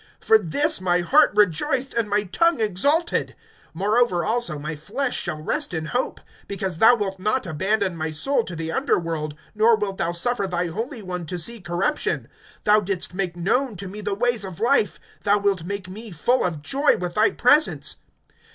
(26)For this my heart rejoiced, and my tongue exulted; Moreover also my flesh shall rest in hope; (27)Because thou wilt not abandon my soul to the underworld, Nor wilt thou suffer thy Holy One to see corruption. (28)Thou didst make known to me the ways of life; Thou wilt make me full of joy with thy presence.